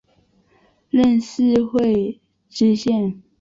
任四会知县。